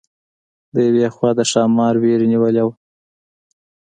د یوې خوا د ښامار وېرې نیولې وه.